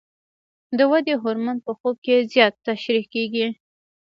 د ودې هورمون په خوب کې زیات ترشح کېږي.